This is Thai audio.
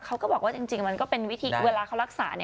เขาก็บอกว่าจริงมันก็เป็นวิธีเวลาเขารักษา